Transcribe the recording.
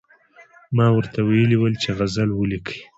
ما ورته ویلي ول چې غزل ولیکئ.